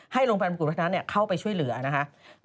ให้โรงพันธุ์บันกุฎพัฒนานเข้าไปช่วยเหลือนะคะ